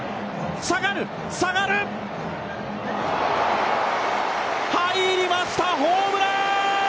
下がる、下がる入りましたホームラン！